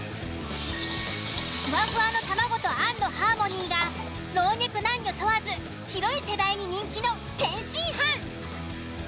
ふわふわの玉子と餡のハーモニーが老若男女問わず広い世代に人気の天津飯。